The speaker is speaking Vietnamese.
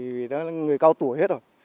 vì đó là người cao tuổi hết rồi